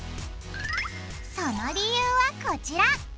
その理由はこちら。